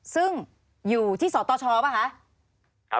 ซึ่งอยู่ที่ศชพะค่ะ